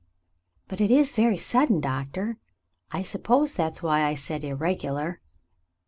*'But it is very sudden. Doctor; I suppose that's why I said irregular."